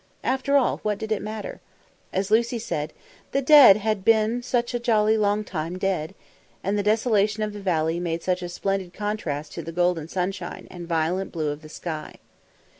After all, what did it matter? As Lucy said, "The dead had been such a jolly long time dead," and the desolation of the valley made such a splendid contrast to the golden sunshine and violent blue of the sky.